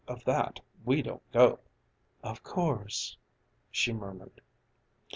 Back of that we don't go." "Of course," she murmured.